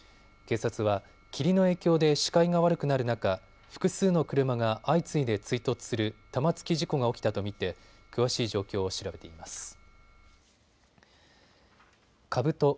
警察は霧の影響で視界が悪くなる中、複数の車が相次いで追突する玉突き事故が起きたと見て詳しい状況を調べています。